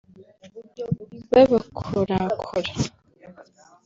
babakorakora